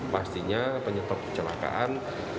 pastinya penyebab kecelakaan